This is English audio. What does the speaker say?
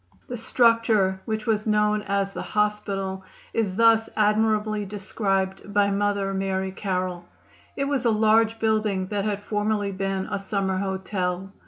] The structure which was known as the "hospital" is thus admirably described by Mother Mary Carroll: "It was a large building that had formerly been a summer hotel.